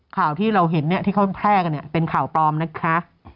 ข่าวที่เราเห็นที่เขาแพร่กันเป็นข่าวปลอมนะคะ